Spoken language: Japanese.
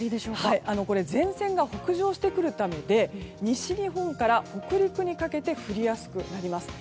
前線が北上してくるためで西日本から北陸にかけて降りやすくなります。